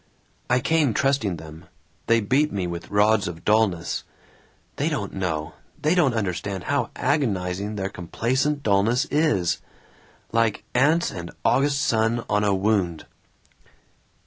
"I came trusting them. They beat me with rods of dullness. They don't know, they don't understand how agonizing their complacent dullness is. Like ants and August sun on a wound.